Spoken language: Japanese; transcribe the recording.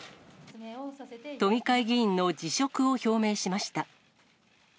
都議会議員の辞職を表明しました。